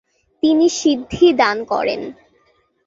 তিনি সিদ্ধি দান করেন।